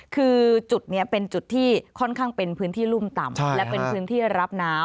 คือจุดนี้เป็นจุดที่ค่อนข้างเป็นพื้นที่รุ่มต่ำ